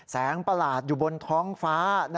ประหลาดอยู่บนท้องฟ้า